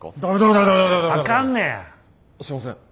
すいません。